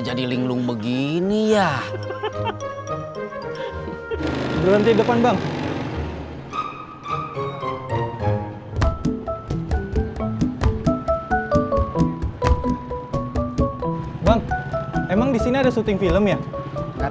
jadi linglung begini ya berhenti depan bang bang emang di sini ada syuting film ya kata